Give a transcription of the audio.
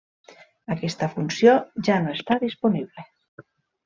Aquesta funció ja no està disponible.